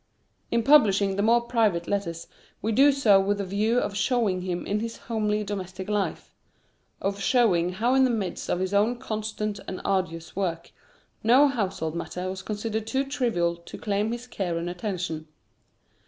In publishing the more private letters, we do so with the view of showing him in his homely, domestic life of showing how in the midst of his own constant and arduous work, no household matter was considered too trivial to claim his care and attention.